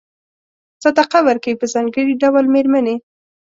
صدقه ورکوي په ځانګړي ډول مېرمنې.